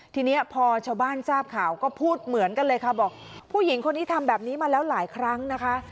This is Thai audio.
ทีนี้พอชาวบ้านทราบข่าวก็พูดเหมือนกันเลยค่ะบอกผู้หญิงคนนี้ทำแบบนี้มาแล้วหลายครั้งนะคะ